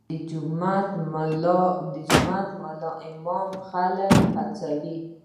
د جومات ملا امامان خلک هڅوي؟